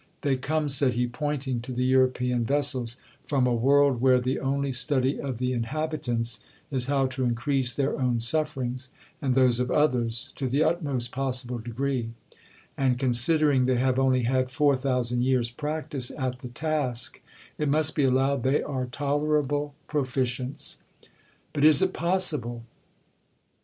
'They come,' said he, pointing to the European vessels, 'from a world where the only study of the inhabitants is how to increase their own sufferings, and those of others, to the utmost possible degree; and, considering they have only had 4000 years practice at the task, it must be allowed they are tolerable proficients.'—'But is it possible?'